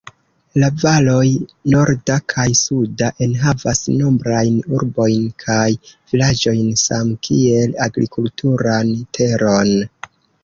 La valoj norda kaj suda enhavas nombrajn urbojn kaj vilaĝojn same kiel agrikulturan teron.